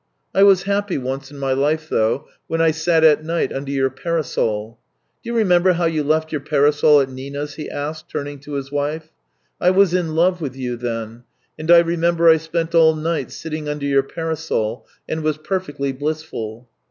I was happy once in my life, though, when I sat at night under your parasol. Do you remember how you left your parasol at Nina's ?" he asked, turning to his wife. " I was in love with you then, and I remember I spent all night sitting under your parasol, and was perfectly blissful."